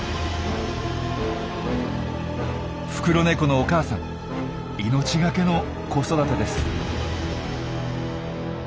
フクロネコのお母さん命懸けの子育てです。